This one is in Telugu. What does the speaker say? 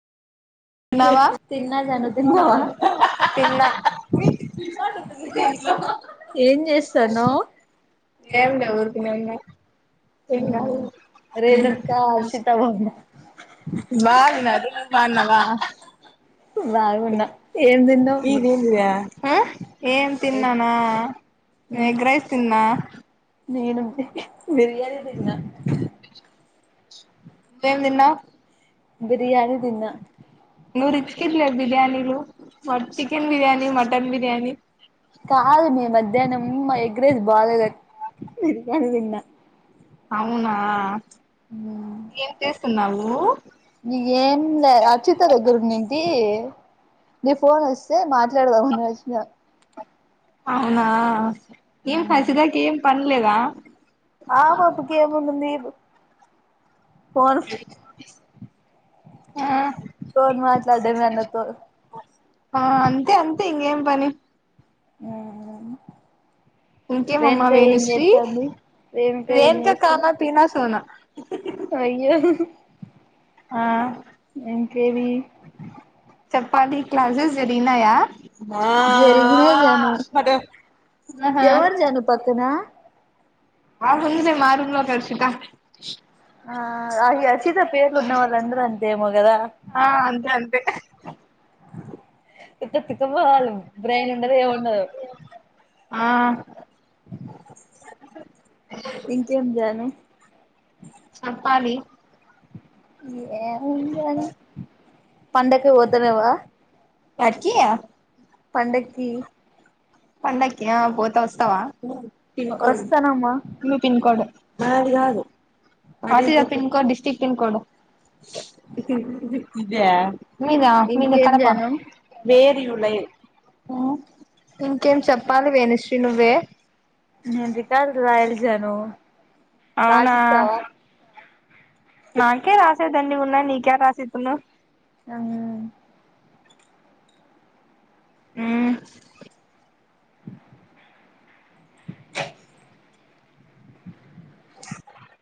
తిన్నావా తిన్నా జాను తిన్నావా తిన్నా ఏం చేస్తాన్నావ్ ఏంలే ఊరుకనే ఉన్నా మ్మ్ రేణుకా అర్షిత బావున బాగున్నాది బాన్న వా బాగున్నా ఏం దిన్నవ్ ఆ ఏం తిన్నాన ఎగ్ రైస్ తిన్నా నేను ఉంటే బిర్యాని తిన్న నువ్వేం తిన్నవ్ బిర్యాని తిన్న ను రిచ్ కిడ్ లే బిర్యానీలు మ చికెన్ బిర్యానీ మటన్ బిర్యానీ కాదు మే మధ్యాహ్నం మా ఎగ్ రైస్ బాగలేదని బిర్యాని తిన్నా, అవునా ఏం చేస్తున్నావు ఊ నీకేం లే అచ్చితదగ్గర ఉండుంటి నీ ఫోన్ వస్తే మాట్లాడదమని వచ్చినా అవునా ఏం అసిధకు ఏం పని లేదా ఆ పాపకేం ఎం ఉనిది ఫోన్ ఆ ఫోన్ మాట్లాడమే అందరితో, ఆ అంతే అంతే ఇంగేం పని ఆ ఇంకేం మమ్మ వేణుశ్రీ ఏం రేణుక చేస్తుంది కానా పీనా సోనా అయ్యో ఆ ఇంకేవి చెప్పాలి క్లాసెస్ జరిగినాయా ఆ జరిగినాయి జాను పటు ఆహా ఎవరు జాను పక్కన ఆ ఉంది మా రూమ్ లో కర్షిక ఆ అహి అషిత పేరు ఉన్నా వాళ్లందరూ అంతే ఏమో గదా ఆ అంతే అంతే అ కిత తిక్క పోవాల బ్రెయిన్ ఉండదు ఏం ఉండదు ఆ ఇంకేం జాను కాలి ఏ ఉంది జాను పండక్కి పోతలేవ ఏడీకి పండక్కి పండకి ఆ పోత వస్తవా పిన్ కోడ్ వస్తానమ్మా న్యూ పిన్ కోడ్ నాది కాదు పిన్కోడ్ డిస్టక్ట్ పిన్కోడు మీదా మీది ఇంకేం కడప జాను వేర్ యు లైవ్ ఆ ఇంకేం చెప్పాలి వేణుశ్రీ నువ్వే నేను రికార్డ్ రాయాలి జాను అవునా రాసిస్తావా నాకే రాసేవిదండిగున్నాయి నీకేడ రాసిత్తును ఆహ్ మ్మ్